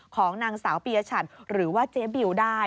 ของนางสาวปียชัดหรือว่าเจ๊บิวได้